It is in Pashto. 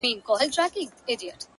زاغ نيولي ځالګۍ دي د بلبلو-